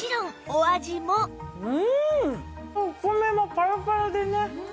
お米もパラパラでね